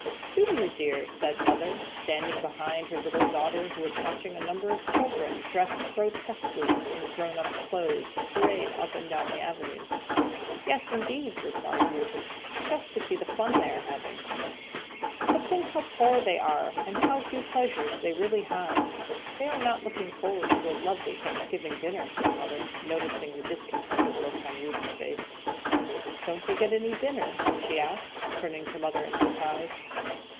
"Do you, dear?" said Mother, standing behind her little daughter who was watching a number of children dressed grotesquely in grown ups' clothes parade up and down the avenue. "Yes, indeed," replied Ruth, "just see the fun they are having." "But think how poor they are and how few pleasures they really have; they are not looking forward to a lovely Thanksgiving dinner," said Mother, noticing the discontented look on Ruth's face. "Don't they get any dinner?" she asked, turning to Mother in surprise.